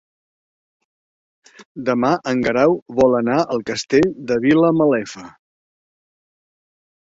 Demà en Guerau vol anar al Castell de Vilamalefa.